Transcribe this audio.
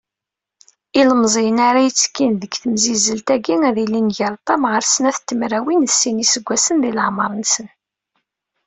Ilmeẓyen ara ittekkin deg temsizzelt-agi, ad ilin gar ṭam ɣer snat tmerwin d sin, n yiseggasen di leɛmer-nsen.